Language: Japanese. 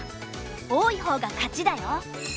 多い方が勝ちだよ。